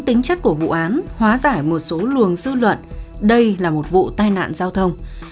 thì cơ quan tài nạn giao thông đã đánh giá là một vụ tai nạn giao thông